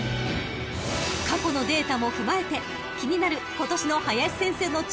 ［過去のデータも踏まえて気になる今年の林先生の注目馬は］